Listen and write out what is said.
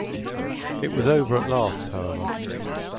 It was over at last, however.